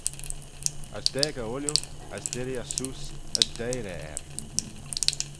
As daag eh ooilley as dirree eh seose, as deiyr eh er.